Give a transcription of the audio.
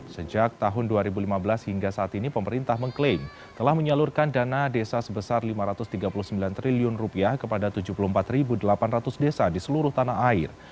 sejak tahun dua ribu lima belas hingga saat ini pemerintah mengklaim telah menyalurkan dana desa sebesar rp lima ratus tiga puluh sembilan triliun kepada tujuh puluh empat delapan ratus desa di seluruh tanah air